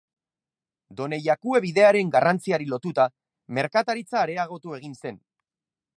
Donejakue bidearen garrantziari lotuta, merkataritza areagotu egin zen.